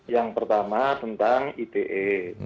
yang pertama tentang ite